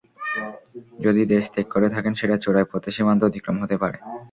যদি দেশত্যাগ করে থাকেন, সেটা চোরাই পথে সীমান্ত অতিক্রম হতে পারে।